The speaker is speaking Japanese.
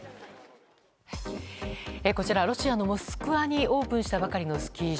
こちら、ロシアのモスクワにオープンしたばかりのスキー場。